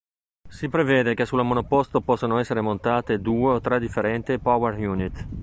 Si prevede che sulla monoposto possano essere montate due o tre differenti "power unit".